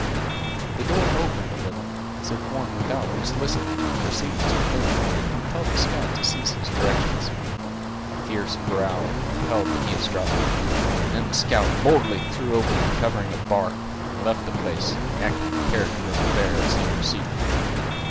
The door opened a little, as if one without was listening to the proceedings within, and compelled the scout to cease his directions. A fierce growl repelled the eavesdropper, and then the scout boldly threw open the covering of bark, and left the place, enacting the character of a bear as he proceeded.